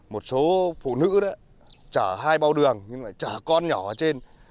một số phụ nữ đó chở hai bao đường nhưng mà chở con nhỏ ở trên